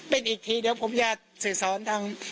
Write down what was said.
พี่ทีมข่าวของที่รักของ